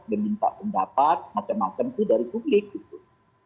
meminta pendapat macam macam itu dari publik gitu